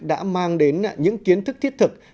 đã mang đến những kiến thức thiết thực